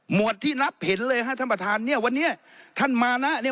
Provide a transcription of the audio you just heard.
วดที่รับเห็นเลยฮะท่านประธานเนี่ยวันนี้ท่านมานะเนี่ย